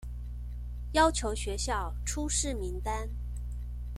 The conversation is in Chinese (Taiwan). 要求學校出示名單